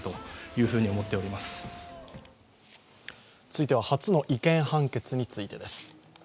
続いては初の違憲判決についてです。